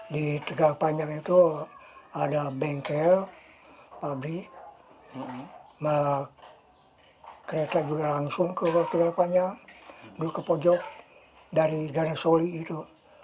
di tegal panjang itu ada bengkel pabrik kereta juga langsung ke tegal panjang dulu ke pojok dari ganasoli itu